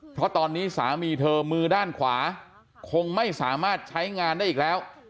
เพราะตอนนี้สามีเธอมือด้านขวาคงไม่สามารถใช้งานได้อีกแล้ว